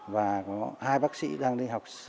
và có hai bác sĩ đang đi học